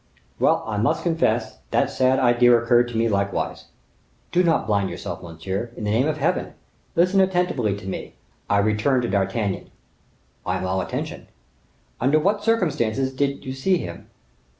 "Well, I must confess, that sad idea occurred to me likewise." "Do not blind yourself, monsieur, in the name of Heaven! Listen attentively to me,—I return to D'Artagnan." "I am all attention." "Under what circumstances did you see him?"